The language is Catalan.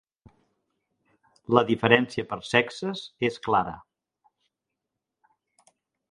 La diferència per sexes és clara.